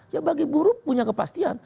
ya bagi buruh punya kepastian